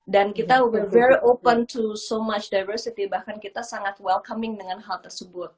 dan kita were very open to so much diversity bahkan kita sangat welcoming dengan hal tersebut